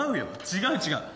違う違う。